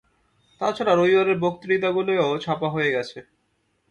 তা ছাড়া রবিবারের বক্তৃতাগুলিও ছাপা হয়ে গেছে।